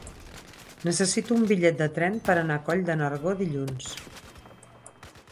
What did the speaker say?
Necessito un bitllet de tren per anar a Coll de Nargó dilluns.